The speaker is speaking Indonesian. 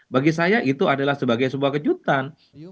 bagi saya itu adalah sebagai sebuah kejutan